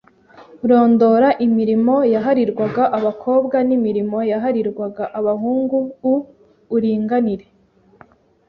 Rondora imirimo yaharirwaga abakowa n’imirimo yaharirwaga ahungu uuringanire